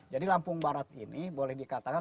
jadi lampung barat ini boleh dikatakan